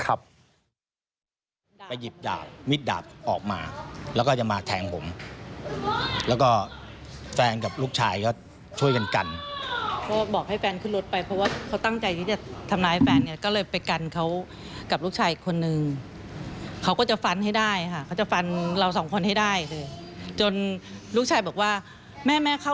เราก็เข้ารถไปเลยแล้วคราวนี้เราก็ห่วงลูกเนอะ